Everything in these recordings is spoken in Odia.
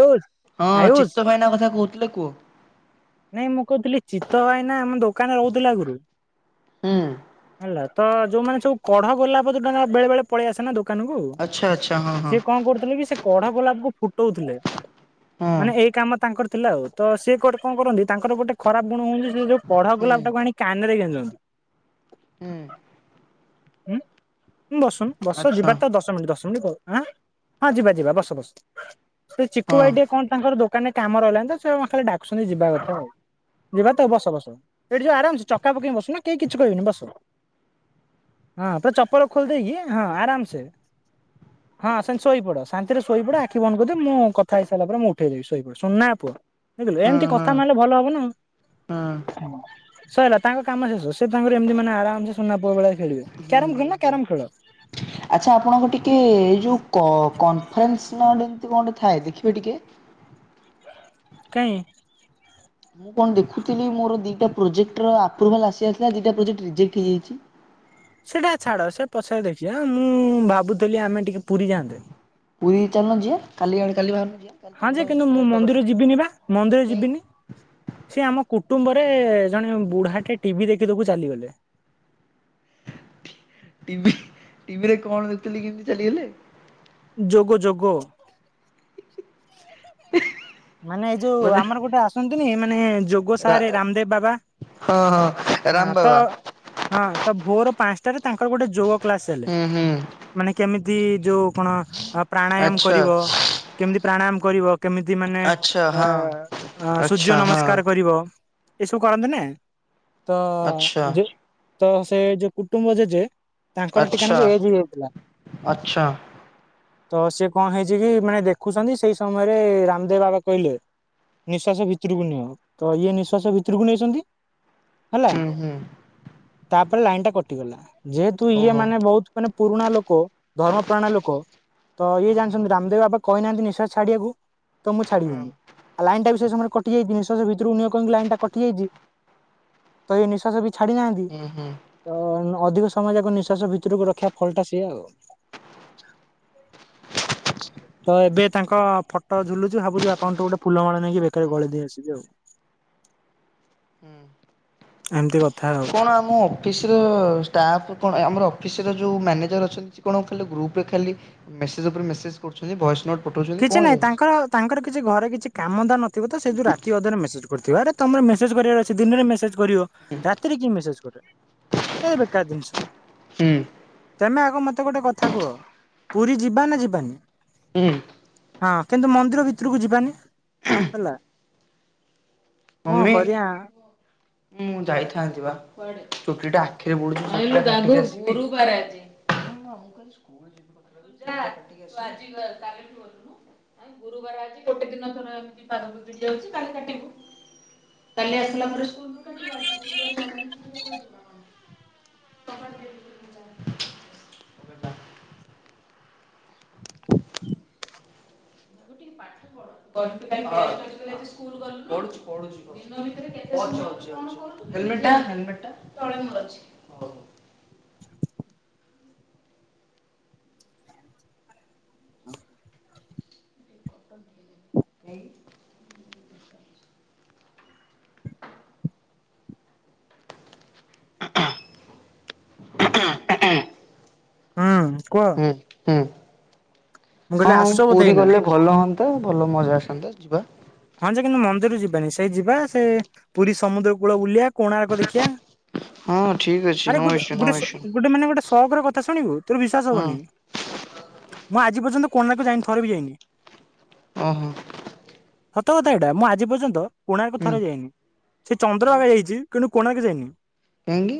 ଆୟୁଷ ହଁ ଆୟୁଷ ଚିତ୍ତ ଭାଇନା କଥା କହୁଥିଲେ, କୁହ? ନାଇଁ ମୁଁ କହୁଥିଲି ଚିତ ଭାଇନା ଆମ ଦୋକାନରେ ରହୁଥିଲେ, ଆଗରୁ ହୁଁ ତ ଯୋଉମାନେ ସବୁ କଢ ଗଲା ପରେଟ ବେଳେ ପଳେଇଆସ ନା ଦୋକାନ କୁ, ଆଚ୍ଛା ଆଚ୍ଛା ହଁ ହଁ ସେ କଣ କରୁଥିଲେ କି- ସେ କଢା ଗୋଲାପ କୁ ଫୁଟଉଥିଲେ। ମାନେ ଏଇ ହଁ କାମ ତାଙ୍କର ଥିଲା ଆଉ, ତ ସିଏ କଣ କରନ୍ତି, ତାଙ୍କର ଗୋଟେ ଖରାପ ଗୁଣ ହଉଛି, ସେ ଯୋଉ ପଢା ଗୋଲାପଟାକୁ ଆଣି କାନ ରେ ଗେଞ୍ଜନ୍ତି। ହୁଁ ହୁଁ ବସୁନ ବସ ଆଚ୍ଛା ଯିବାର ତ ଦଶ ମିନିଟ୍, ଦଶ ମିନିଟ୍, କହୁ ହଁ ହଁ ଯିବା, ଯିବା, ବସ ବସ, ସେ ଚିକୁୁ ହଁ। ଭାଇ ଟେ କଣ ତାଙ୍କର ଦୋକ କାନେ କାମ ରହିଲାନ ତ ସେ ଖାଲି ଡାକୁୁଛନ୍ତି ଯିବା କଥା ଆଉ ଯିବା ତ ବସ ବସ, ଏଇଠି ଯିବ ଆରାମସ ଚକା ପକେଇି ବସନ କେହି କିଛି କହିବନି ବସ- ହଁ ତ ଚପଲ ଖୋଲି ଦେଇକି ହଁ, ଆରାମ ସେ ହଁ ସେ ଶୋଇ ପଡ, ଶାନ୍ତିରେ ଶୋଇପଡେ, ଆଖି ବନ୍ଦ କରିଦି, ମୁଁ କଥା ହେଇସାରିଲା ପରେ ମୁଁ ଉଠେଇଦବି, ଶୋଇପଡ, ଶ ସୁନନା ପୁଅ ଦେଖିଲୁ ହଁ ଏମିତି ହଁ କଥା ହଁ ମିଲେ ଭଲ ହବ ନା ସଇଲା ତାଙ୍କ କାମ ଶେଷ, ସେ ତାଙ୍କର ଏମିତି ମାନେ ଆରାମସ ସୁନା ପୁଅବେଳେ ଖେଳିବ, ହୁଁ କ୍ୟାରମ ଖେନା ହୁଁ। କ୍ୟାରମ ଖେଳ ଆଚ୍ଛା, ଆପଣଙ୍କ ଟିକେ ଯୋଉ କନଫରେନ୍ସ ନ ଏ କଣଟେ ଥାଏ ଦେଖିବେ ଟିକେ କାଇଁ ମୁଁ କଣ ଦେଖୁଥିଲି, ମୋର ଦିଇଟା ପ୍ରୋଜେକ୍ଟର ଆପ୍ରୁଭାଲ ଆସି ଆସିଲା, ଦିଟା ପ୍ରୋଜେକ୍ଟ ରିଜେକ୍ଟ ହେଇଯାଇଛି। ହଁ [inaudible] ସେଟା ଛାଡ ସେ ପଛ ଦେଖି, ମୁଁ ଭାବୁଥିଲି ଆମେ ଟିକେ ପୁରୀ ଯାଆନ୍ତେ ପୁରୀ ଚାଲନ ଯିବା, କାଲି ଆଣଣି [unintelligible] କାଲି ବାହାରୁ ହଁ ଯେ କିନ୍ତୁ ମୁଁ ମନ୍ଦିର ଯିବିନି ବା, ମନ୍ଦିର କାଇଁ ଯିବିନି, ସେ ଆମ କୁଟୁମ୍ବରେ ରେ ଜଣେ ବୁଢାଟେ ଟିଭି ଦେଖି ଦେଖୁ ଚାଲିଗଲେ ଟିଭି ଟିଭିରେ କଣ ଦେଖୁଥିଲେ କି ଏମତି ଚାଲିଗଲେ। ଯୋଗ ଯୋଗ। ମାନେ ଏଇ ଯୋଉ ମାନେ ଆମର ଗୋଟେ ଆସନ୍ତିନି ମାନେ ଯୋଗ ରା ସାରେ ରାମଦେବ ବାବା ହଁ ହଁ। ହଁ ରାମ ତ ବାବା ହଁ ତ ଭୋର ପାଞ୍ଚଟାରେ ତାଙ୍କର ଗୋଟେ ଯୋଗ କ୍ଲାସ ହେଲେ ମାନେ କେମିତି ଯୋଉ କଣ ଆ ପ୍ରାଣାୟାମ କରିବ କେମିତି ପ୍ରାଣାୟାମ କରିବ। କେମିତି ମାନେ ଅ ସୂର୍ଯ୍ୟ ନମସ୍କାର କରିବ। ଏସବୁ କରନ୍ତି ନା ତ ଯେ ତ ସେ ଯଉ ଯୋ କୁଟୁମ୍ବ ଜେଜେ ତାଙ୍କର ଟିକାନାକୁ ଏଜ ହେଇଯାଉଥିଲା। ଆଚ୍ଛା ତ ସିଏ କଣ ହେଇଛି କି ମାନେ ଦେଖୁଛନ୍ତି ସେଇ ସମୟରେ ରାମଦେବ ବାବା କହିଲେ। ନିଃଶ୍ୱାସ ଭିତରକୁ ନିଅ ତ ଇଏ ନିଃଶ୍ଵାସ ଭିତରକୁ ନେଇଛନ୍ତି ହେଲା ହୁଁ ହୁଁ। ତାପରେ ଲାଇନ ଟା କଟିଗଲା। ଯେହେତୁ ଇଏ ଓହୋ ମାନେ ବହୁତ ମାନେ ପୁରୁଣା ଲୋକ ଧର୍ମ ପ୍ରାଣା ଲୋକ ତ ଇଏ ହଁ ହଁ ଜାଣିଛନ୍ତି ରାମଦେବୀ ବାପ କହିନାହାନ୍ତି ନିଶ୍ୱାସ ଛାଡିବାକୁ ତ ମୁଁ ହଁ ଛାଡିବିନି ଲାଇନ ଟା ବି ସେ ସମୟରେ କଟି ଯାଇଛି ନିଶ୍ୱାସ ଭିତରକୁ ନିଅ କହିକି ଲାଇନଟା କଟିଯାଇଚି ତ ଇଏ ନିଶ୍ୱାସ ଭିତ ଛାଡି ନାହାଁନ୍ତି ହୁଁ ହୁଁ ତ ନ ଅଧିକ ସମୟ ଯାକ ନିଃଶ୍ୱାସ ଭିତରକୁ ରଖିବା ଫଳଟା ସେୟା ଆଉ। ତ ଏବେ ତାଙ୍କ ଫଟୋ ଝୁଲୁଛୁ ଭାବୁଛି ବାପାଙ୍କଠୁ ଗୋଟେ ଫୁଲ ମାଳ ନେଇକି ବେକରେ ଗଳେଇ ଦେଇକି ଆସିବି ଆଉ। ହୁଁ। ଏମିତି କଥା ଆଉ। ଶୁଣ ମୁଁ ଅଫିସର ଷ୍ଟାଫ୍ କଣ ଆମର ଅଫିସର ଯେଉଁ ମ୍ୟାନେଜର ଅଛନ୍ତି ସେ କଣ ଖାଲି ଗ୍ରୁପରେ ଖାଲି ମେସେଜ ଉପରେ ମେସେଜ କରୁଛନ୍ତି ଭଏସ ନୋଟ୍ ପଠଉଛନ୍ତି କିଛି କଣ ନାଇଁ ଯାଉଛି ତାଙ୍କର ତାଙ୍କର କିଛି ଘରେ କିଛି କାମ ଧନ୍ଦା ନଥିବ ତ ସେ ଯୋଉ ରାତି ଅଧରେ ମେସେଜ୍ କରୁଥିବ ଜୁଆଡେ ତମର ମେସେଜ କରିବାର ଅଛି ଦିନରେ ମେସେଜ୍ କରିବ ରାତିରେ କିଏ ମେସେଜ୍ କରେ ଵେକାର ଜିନଷ। ହୁଁ। ତମେ ଆଗ ମତେ ଗୋଟେ କଥା କୁହ ପୁରୀ ଯିବା ନା ଯିବାନି? ହୁଁ। ହଁ କିନ୍ତୁ ମନ୍ଦିର ଭିତରକୁ ଯିବାନି ହେଲା କଣ ମମି କରିଆ ମୁଁ ଯାଇଥାନ୍ତି ବା ଚୁଟିଟା ଆଖିରେ ପଡୁଛି [inaudible] ତୁ ଆଜି କାଲିଠୁ ଗଲୁନୁ ଗୁରୁବାର ଆଜି ଗୋଟେ ଦିନ ତୋର ଏମତି ଵାରବିଗିଡି ଯାଉଛି କାଲି କାଟିବୁ କାଲି ଆସିଲା ପରେ ସ୍କୁଲରୁ କାଟିବୁ ଆଜି ଗୁରୁବାର [inaudible] [inaudible] [inaudible] ପାଠ ପ ପଢୁଛି ପଢୁଛି ହେଲମେଟ୍ ଟା? ଏଇ [inaudible] ହୁଁ କୁହ? ହୁଁ ମୁଁ ହଁ କହିଲି ଆସୁଛ ବୋଧେ ପୁରୀ ଏଇନା ଗଲେ ଭଲ ହଅନ୍ତା ଭଲ ମଜା ଆସନ୍ତା ଯିବା ହଁ ଯେ କିନ୍ତୁ ମନ୍ଦିରୁ ଯିବାନି ସେଇ ଯିବା ସେ ପୁରୀ ସମୁଦ୍ର କୂଳ ବୁଲିବା କୋଣାର୍କ ଦେଖିବା। ହଁ ଠିକ ଅଛି ଆରେ ନୋ ଗୋଟେ ଇସୁ ନୋ ଗୋଟେ ଇସୁ ଗୋଟେ ମାନେ ଗୋଟେ ସକର କଥା ଶୁଣିବୁ ତୋର ବିଶ୍ଵାସ ହଁ ହବନି ମୁଁ ଆଜି ପର୍ଯ୍ୟନ୍ତ କୋନାର୍କ ଯାଇନି ଥରେ ବି ଯାଇନି। ଓ ହୋ। ସତ କଥା ଏଇଟା ମୁଁ ଆଜି ପର୍ଯ୍ୟନ୍ତ କୋଣାର୍କ ହୁଁ ଥରେ ବି ଯାଇନି ସେ ଚନ୍ଦ୍ରଭାଗ ଯାଇଛି କିନ୍ତୁ କୋଣାର୍କ ଯାଇନି। କାଇଁକି?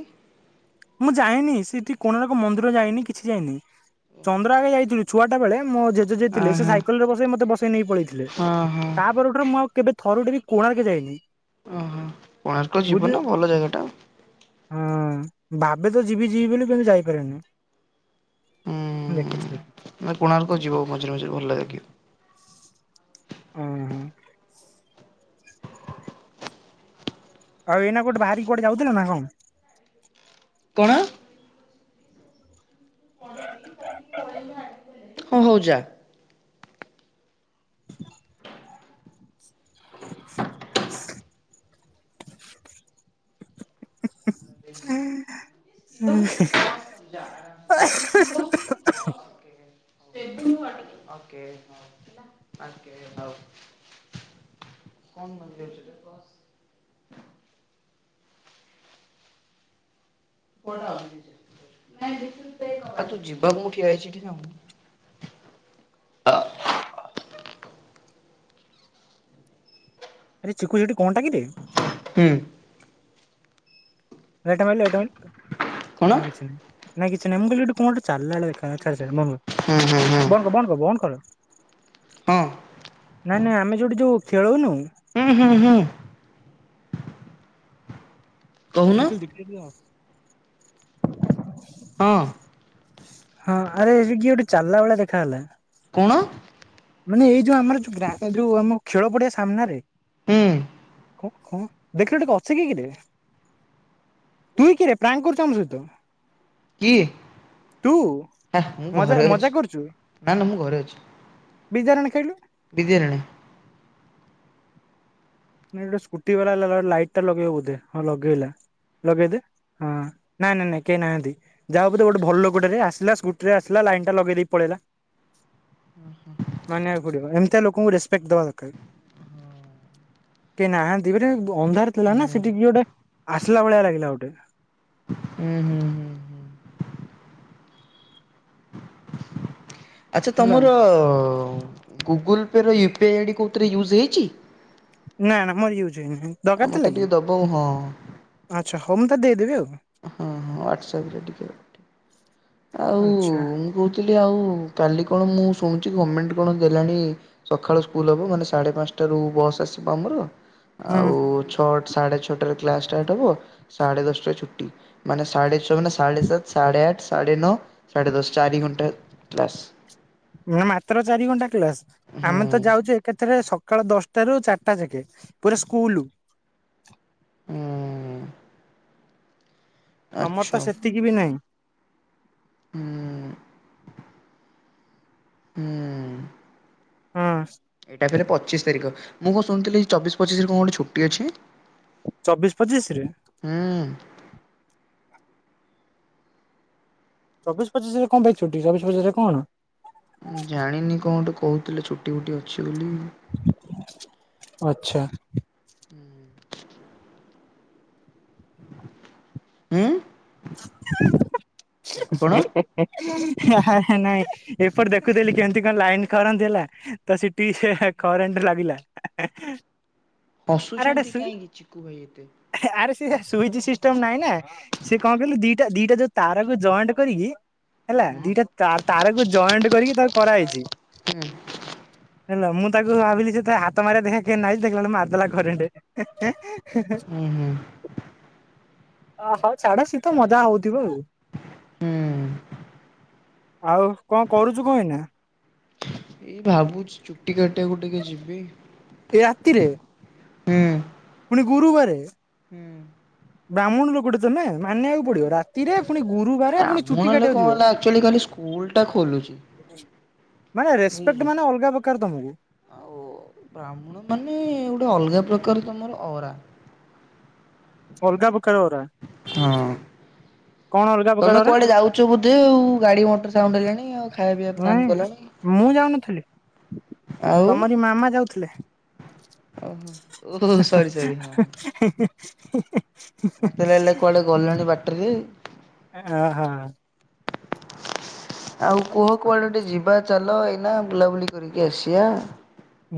ମୁଁ ଯାଇନି ସେଠି କୋଣାର୍କ ମନ୍ଦିର ଯାଇନି କିଛି ଯାଇନି। ଚନ୍ଦ୍ରଭାଗା ଯାଇଥିଲୁ ଛୁଆଟା ବେଳେ ମୋ ଜେଜେ ଯିଏ ଥିଲେ ସେ ଆହା ସାଇକେଲ ରେ ବସେଇ ମତେ ବସେଇ ନେଇ ପଳେଇଥିଲେ ହଁ ହଁ ତା ପରଠାରୁ ମୁଁ ଆ କେବେ ଥରୁଟେ ବି କୋଣାର୍କ ଯାଇନି। ଓହୋ କୋଣାର୍କ ଯିବ ବୁଝିଲେ ନା ଭଲ ଜାଗା ଟା। ହଁ ଭାବେ ତ ଯିବି ଯିବି ବୋଲି କିନ୍ତୁ ଯାଇପାରେନି। ମୁଁ ଦେଖିଛି ଦେଖିଛି ହୁଁ-ହୁଁ-ହୁଁ-ହୁଁ କୋଣାର୍କ ଯିବ ମଝିରେ ମଝିରେ ଭଲ ଲାଗେ କି। ହୁଁ। ଆଉ ଏଇନା କୋଉଠି ବାହାରି କୋଉଠି ଯାଉଥିଲ ନା କଣ? କଣ? ହଁ ହଉ ଯା। ହିଁ ହିଁ ହିଁ ହେଁ ହେ ହେ। [unintelligible] [unintelligible] ଆ ତୁ ଯିବାକୁଁ ମୁଁ ଠିଆ ହେଇଛି ଏଇଠି ଯାଉନୁ। ଆରେ ଚିକୁ ସେଟି କଣଟା କିରେ? ହୁଁ। ଲାଇଟା ମାଇଲୁ ଲାଇଟା ମାଇଲୁ କଣ ନାଁ କିଛି ନାହିଁ। ନାଇଁ କିଛି ନାଇ ମୁଁ କହିଲି ଗୋଟେ କଣ ଗୋଟେ ଚାଲିଲା ଭଳିଆ ଦେଖା ଯାଉଚି ଛାଡ ଛାଡ଼ ମୋ, ହୁଁ ହୁଁ ହୁଁ ବନ୍ଦ କର ବନ୍ଦ କର। ହଁ ନାଇଁ ନାଇଁ ଆମେ ଯୋଉଠି ଯୋଉ ଖେଳଉନୁ ହୁଁ ହୁଁ ହୁଁ। କହୁନ ଦେଖିଲୁ ଦେଖିଲୁ ଏଠି ଅ ହଁ ହଁ ଆରେ ଇଏ କିଏ ଗୋଟେ ଚାଲିଲା ଭଳିଆ ଦେଖା ହେଲା। କୋଣ ମାନେ ଏଇ ଯୋଉ ଆମର ଯୋଉ ଗ୍ରା ଯୋଉ ଆମ ଖେଳ ପଡିଆ ସାମ୍ନାରେ। ହୁଁ କ ଖ ଦେଖିଲୁ ଟିକେ କ ଅଛି କି କିରେ। ତୁଇ କିରେ ପ୍ରାଙ୍କ୍ କରୁଛୁ ଆମ ସହିତ? କିଏ? ତୁ ହେଁ ମୁଁ ମଜା ଘରେ ଅଛି ମଜା ନା ନା ମୁଁ ଘରେ ଅଛି। ବିଦ୍ୟା ରାଣ ଖାଇଲୁ। ବିଦ୍ୟାରାଣେ। ନ ଗୋଟେ ସ୍କୁଟି ବାଲା ହେ ଲାଇଟ୍ ଟା ଲଗେଇବ ବୋଧେ ହଁ ଲଗେଇଲା ଲଗେଇଦ ହଁ ନାଇଁ ନାଇଁ ନାଇଁ କେହି ନାହାନ୍ତି ଯାହା ହ ଗୋଟେ ଭଲ ଲୋକୋଟେରେ ଆସିଲା ସ୍କୁଟିରେ ଆସିଲା ଲାଇନ ଟା ଲଗେଇ ଦେଇକି ପଳେଇଲା ହ ମାନିବାକୁ ପଡିବ ଏମିତି ଲୋକଙ୍କୁ ରେସପେକ୍ଟ ଦବା ଦରକାର। କେହିଁ ନାହାନ୍ତି ମାନେ ଅନ୍ଧାର ଥିଲା ହୁଁ ନା ସେଠି କିଏ ଗୋଟେ ଆସିଲା ଭଳିଆ ଲାଗିଲା ଗୋଟେ। ହୁଁ ହୁଁ ହୁଁ ହୁଁ। ଆଛା ହେଲା ତମର-ଅ-ଅ-ଅ-ଅ ଗୁଗୁଲ୍ ପେରେ ୟୁ ପି ଆଇ ଡି କେଉଁଥିରେ ୟୁଜ୍ ହୋଇଛି? ନା ନା ମୋର ୟୁଜ ହେଇନି, ଦରକାର ଥିଲା କି? ଟିକେ ଦବ ହଁ ହଁ ଆଚ୍ଛା ହୋଉ ମୁଁ ତତେ ଦେଇଦେବି ଆଉ। ହଁ ହଁ ହ୍ୱାଟ୍ସପରେ ଟିକେ। ଆଚ୍ଛା ଆଉ-ଉ-ଉ-ଉ ମୁଁ କହୁଥିଲି ଆଉ କାଲି କଣ ମୁଁ ଶୁଣୁ ଗମେଣ୍ଟ କଣ ଦେଲାଣି ସକାଳୁ ସ୍କୁଲ ହେବ ମାନେ ସାଢେ ପାଞ୍ଚଟାରୁ ବସ୍ ଆସିବ ଆମର। ଆଉ ହୁଁ ଛଅ ସାଢେ ଛଅଟାରେ କ୍ଲାସ ଷ୍ଟାର୍ଟ ହବ, ସାଢେ ଦଶଟାରେ ଛୁଟ ଟି। ମାନେ ସାଢ଼େ ଛଅ, ମାନେ ସାଢ଼େ ସାତ, ସାଢ଼େ ଆଠ, ସାଢ଼େ ନଅ, ସାଢ଼େ ଦଶ, ଚାରି ଘଣ୍ଟା କ୍ଲାସ୍। ନାଇଁ ମାତ୍ର ଚାରି ଘଣ୍ଟା କ୍ଲାସ। ହୁଁ ଆମେ ତ ଯାଉଚୁ ଏକାଥେରେ ସକାଳ ଦଶଟା ରୁ ଚାରିଟା ଯାକେ, ପୁରା ସ୍କଲୁ। ହୁଁ। ତମର ଆଚ୍ଛା ତ ସେତିକି ବି ନାହିଁ। ହୁଁ। ହୁଁ। ହଁ। ଏଇଟା ଫେରେ ପଚିଶ ତାରିଖ। ମୁଁ କଣ ଶୁଣୁଥିଲି ଚବିଶ ପଚିଶରେ କଣ ଗୋଟେ ଛୁଟି ଅଛି? ଚବିଶ ପଚିଶରେ? ହୁଁ ଚବିଶ ପଚିଶରେ କଣ ପାଇଁ ଛୁଟି, ଚବିଶ ପଚିଶରେ କଣ? ଜାଣିନି କଣ ଗୋଟେ କହୁଥିଲେ ଛୁଟି ଫୁଟି ଅଛି। ବୋଲି। ଆଚ୍ଛା। ହୁଁ। ଉଁ? ନାଇଁ ନାଇଁ ଏପଟେ ଦେଖୁଥିଲି କେମିତି କଣ ଲାଇନ୍ କରନ୍ତି ହେଲା, ତ ସିଟି ସେୟା କରେଣ୍ଟ ଲାଗିଲା। ଆରେ ଗୋଟେ ହସୁଛନ୍ତି ସୁଇ କାହିଁକି ଚିକୁ ଭାଇ ଏତେ? ଆରେ ସେ ସୁଇଚ ସିଷ୍ଟମ ନାଇଁ ନା ସିଏ କଣ କହିଲୁ ଦିଟା ଦିଟା ଯୋଉ ତାରକୁ ଜଏଣ୍ଟ କରିକି ହେଲା ହୁଁ ଦିଟା ତା-ତାରକୁ ଜଏଣ୍ଟ କରିକି ତାର କରାହେଇଛି। ହୁଁ ହେଲା ମୁଁ ତ ତାକୁ ଭାବିଲି ସେଥିରେ ହାତ ମାରିବା ଦେଖିଆ କେମିତି ନାଗୁଚି, ଦେଖିଲା ବେଳୁ ମାରିଦେଲା କରେଣ୍ଟ। ହୁଁ ହୁଁ। ଓ ହଉ ଛାଡ ସିଏ ତ ମଜା ହଉଥିବ ଆଉ। ହୁଁ। ଆଉ କଣ କରୁଚୁ କଣ ଏଇନା? ଏଇ ଭାବୁଛି ଚୁଟି କାଟିବାକୁ ଟିକେ ଯିବି ଏ ରାତିରେ? ହୁଁ। ପୁଣି ଗୁରୁବାରେ? ହୁଁ। ବାହ୍ମୁଣୁ ଲୋକଟେ ତୁ ନା? ମାନିବାକୁ ପଡିବ। ରାତିରେ, ପୁଣି ଗୁରୁବାରେ, ପୁଣି ବ୍ରାହ୍ମଣ ଚୁଟି ହେଲେ କାଟିବାକୁ କଣ ଯିବ। ହେଲା ଆକ୍ଚୁଆଲି ଖାଲି ସ୍କୁଲ ଟା ଖୋଲୁଛି ମାନେ ବୁଝୁଛ। ରେସପେକ୍ଟ ମାନେ ଅଲଗା ପ୍ରକାର ତମକୁ। ଆଉ ବ୍ରାହ୍ମଣ ମାନେ ଗୋଟେ ଅଲଗା ପ୍ରକାର ତମର ଅରା ଅଲଗା ପ ହଁ। କଣ ଅଲଗା ପ୍ରକାର ତମେ ଅରା କୁଆଡେ ଯାଉଛ ବୋଧେ ଆଉ ଗାଡି ମଟର ସାଉଣ୍ଡ ହେଲାଣି ଆଉ। ଖାଇବା ପିଇବା ପ୍ଲାନ୍ ନାଇଁ କଲଣି ମୁଁ ଯାଉନଥିଲି ଆଉ ତମରି ମାମା ଯାଉଥିଲେ। ହେ ଓହୋ ଓହୋ ସରି ସରି ହଁ ହେ ହିଁ ହିଁ ହୀ ହି ହିଁ ମତେ ଲାଗିଲା ହିଁ କୁଆଡେ ଗଲଣି ବାଟରେ ଅ ହ। ଆଉ କୁହ କୁଆଡେ ଗୋଟେ ଯିବା ଚାଲ ଏଇନା ବୁଲାବୁଲି କରିକି ଆସିଆ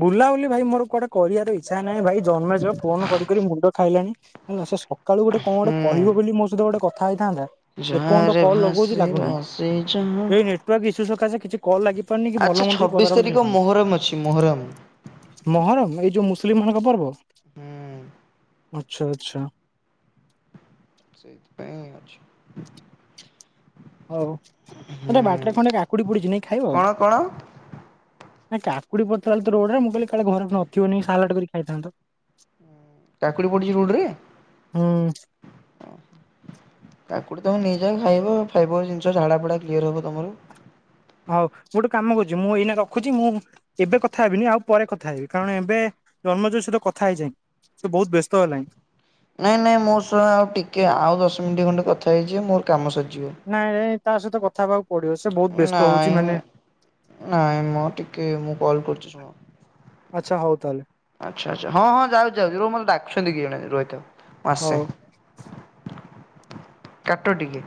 ବୁଲାବୁଲି ଭାଇ ମୋର କୁଆଡେ କରିବାର ଇଚ୍ଛା ନାହିଁ ଭାଇ, ଜନ୍ମେଜୟ ଫୋନ କରି କରି ମୁଣ୍ଡ ଖାଇଲାଣି ହେଲା। ସେ ସକାଳୁ ଗୋଟେ କଣ ଗୋଟେ ହୁଁ କହିବ ବୋଲି ମୋ ସହିତ ଗୋଟେ କଥା ହେଇ ହେଇଥାନ୍ତା, ଏପର୍ଯ୍ୟନ୍ତ ଜହାରେ କଲ୍ ଲଗଉଚି ଭାସେ ଲାଗୁନେଇଁ। ଭାସେ ଜହା ଏଇ ନେଟୱର୍କ ଇସ୍ୟୁ ସକାଶେ କିଛି କଲ୍ ଲାଗି ପାରୁନି କି ଆଚ୍ଛା ଭଲ ମନ୍ଦ ବି ଛବିଶ ପଚରା ପଚରି ତାରିଖ ମୋହରମ ଅଛି ମୋହରମ ହେଇପାରୁନି। ମହରମ, ଏଇ ଯୋଉ ମୁସଲିମ ମାନଙ୍କ ପର୍ବ। ହୁଁ। ଆଚଛା ଆଚଛା। ସେଇଥିପାଇଁ ଅଛି। ହଉ ମତେ ହୁଁ ବାଟରେ ଖଣ୍ଡେ କାକୁଡି ପୁଡିଚି ନେଇକି ଖାଇବ? କଣ କଣ ନା କାକୁଡି ପଡ଼ିଥିଲା ତ ରୋଡରେ ମୁଁ କହିଲି କାଳେ ଘର ନଥିବନି ସାଲାଡ କରି ଖାଇଥାନ୍ତ। କାକୁଡି ପଡିଚି ରୋଡ଼ରେ? ହୁଁ କାକୁଡି ତମେ ନେଇଯାଅ ଖାଇବ, ଖାଇବ ଜିନିଷ ଝାଡ଼ା ଫଡ଼ା କ୍ଲିଅର ହେବ ତମର। ହଉ ମୁଁ ଗୋଟେ କାମ କରୁଚି ମୁଁ ଏଇନା ରଖୁଚି, ମୁଁ ଏବେ କଥା ହେବିନି ଆଉ ପରେ କଥା ହେବି କାରଣ ଏବେ ଜନ୍ମଯୟ ସହିତ କଥା ହେଇଯାଏ ସେ ବହୁତ ବ୍ୟସ୍ତ ହେଲାଣି। ନାଇଁ ନାଇଁ ମୋ ସହ ଆଉ ଟିକେ ଆଉ ଦଶ ମିନିଟ ଖଣ୍ଟେ କଥା ହେଇଯିବ ମୋର କାମ ସରି ନାଇଁ ନାଇଁ ତା ସହିତ କଥା ହେବାକୁ ପଡିବ, ସେ ବହୁତ ବ୍ୟସ୍ତ ହଉଛି ନାଇଁ ମାନେ ନାଇଁ ମ ଟିକେ ମୁଁ କଲ କରୁଛି ଶୁଣ। ଆଚ୍ଛା ହଉ ତାହଲେ ଆଚ୍ଛା ଆଚ୍ଛା ହଁ ହଁ ଯାଉଚି ଯାଉଚି ରୁହ ମୋତେ ଡାକୁଛନ୍ତି କିଏ ଜଣେ ରହିଥାଅ। ମୁ ହଉ ଆସେ। କାଟ ଟିକେ।